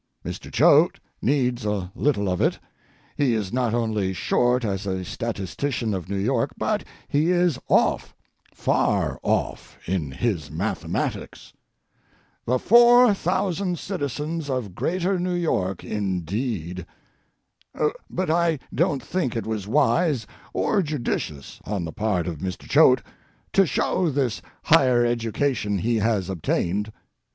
Mr. Choate needs a little of it. He is not only short as a statistician of New York, but he is off, far off, in his mathematics. The four thousand citizens of Greater New York, indeed! But I don't think it was wise or judicious on the part of Mr. Choate to show this higher education he has obtained.